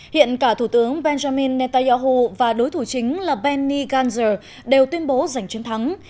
hiện cả thủ tướng benjamin netanyahu và đối thủ chính là benny gantzer đều tuyên bố giành chiến thắng